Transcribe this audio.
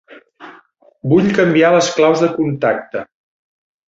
Vull canviar les claus de contacte.